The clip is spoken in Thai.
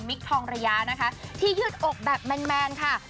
ทองระยะนะคะที่ยืดอกแบบแมนค่ะ